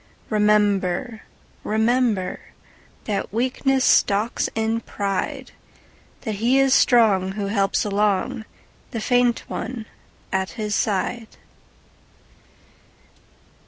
Remember, rememberThat weakness stalks in pride; That he is strong who helps alongThe faint one at his side.